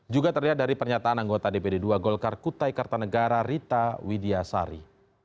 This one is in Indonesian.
juga terlihat dari pernyataan anggota dpd dua golkar kutai kartanegara rita widiasari